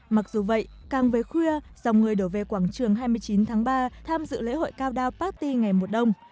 mặc dù vậy càng về khuya dòng người đổ về quảng trường hai mươi chín tháng ba tham dự lễ hội cao đao paty ngày mùa đông